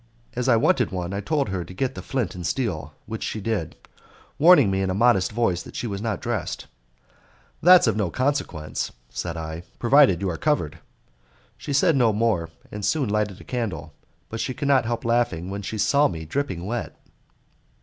As I wanted one, I told her to get the flint and steel, which she did, warning me in a modest voice that she was not dressed. "That's of no consequence," said I, "provided you are covered." She said no more, and soon lighted a candle, but she could not help laughing when she saw me dripping wet.